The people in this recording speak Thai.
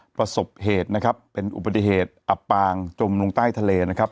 ประสบเหตุนะครับเป็นอุบัติเหตุอับปางจมลงใต้ทะเลนะครับ